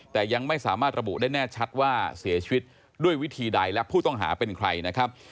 แต่ยังไม่สามารถระบุได้แน่ชัดว่าเสียชีวิตด้วยวิธีใดและผู้ต้องหาเป็นใครนะครับ